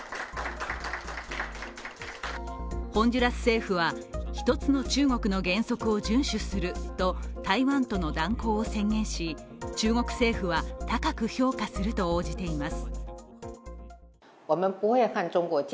ホンジュラス政府は、一つの中国の原則を順守すると台湾との断交を宣言し、中国政府は高く評価すると応じています。